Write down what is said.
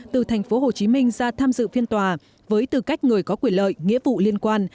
từ tp hcm ra tham dự phiên tòa với tư cách người có quyền lợi nghĩa vụ liên quan